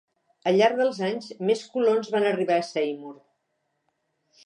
Al llarg dels anys més colons van arribar a Seymour.